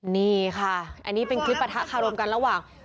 นี่ค่ะอันนี้เป็นคลิปปะทะคารมกันระหว่าง